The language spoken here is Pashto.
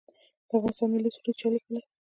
د افغانستان ملي سرود چا لیکلی؟